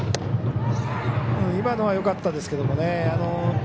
今のはよかったですけどね。